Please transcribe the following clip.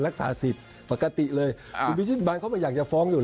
แล้วก็อยากจะฝากรัฐบาลว่าอะไรก็ตามนะตั้งใจทำงาน